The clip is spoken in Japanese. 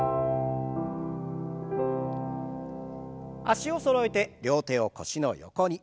脚をそろえて両手を腰の横に。